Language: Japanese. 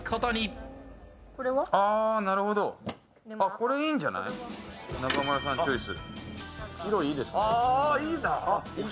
これいいんじゃない、中村さんチョイス。